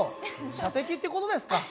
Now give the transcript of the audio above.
射的って事ですか。